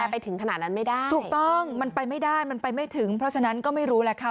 ฟังเสียงคุณแม่และก็น้องที่เสียชีวิตค่ะ